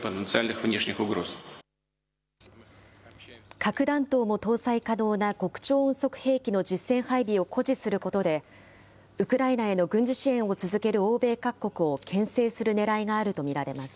核弾頭も搭載可能な極超音速兵器の実戦配備を誇示することで、ウクライナへの軍事支援を続ける欧米各国をけん制するねらいがあると見られます。